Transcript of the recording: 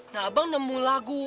nah abang nemu lagu